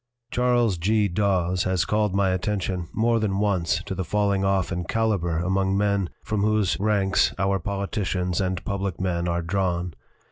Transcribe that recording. "Charles G. Dawes has called my attention more than once to the falling off in caliber among men from whose ranks our politicians and public men are drawn.